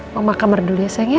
mama kamar dulu ya sayang ya